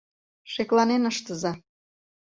Шекланен ыштыза...